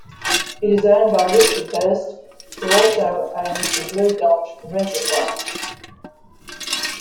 It is owned by Richard Hurst, who also owns the Blue Gulch Reservoir.